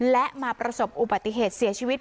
และมาประสบอุบัติเหตุเสียชีวิต